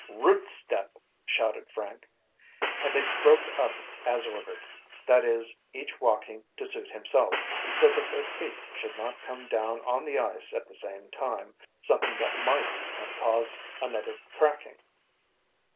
"Route step!" shouted Frank. And they broke up as ordered that is each walking to suit himself, so that their feet should not come down on the ice at the same time, something which might have cause another cracking.